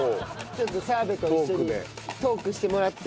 ちょっと澤部と一緒にトークしてもらって。